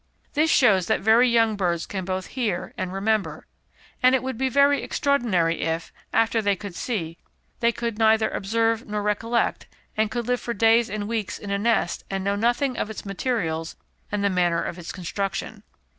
This shows that very young birds can both hear and remember, and it would be very extraordinary if, after they could see, they could neither observe nor recollect, and could live for days and weeks in a nest and know nothing of its materials and the manner of its construction.